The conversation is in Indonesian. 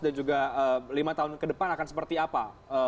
dan juga lima tahun kedepan akan seperti apa